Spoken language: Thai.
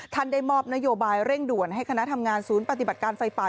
ได้มอบนโยบายเร่งด่วนให้คณะทำงานศูนย์ปฏิบัติการไฟป่า